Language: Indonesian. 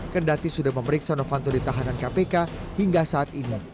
kendati sudah memeriksa novanto di tahanan kpk hingga saat ini